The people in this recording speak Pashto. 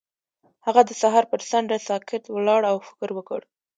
هغه د سهار پر څنډه ساکت ولاړ او فکر وکړ.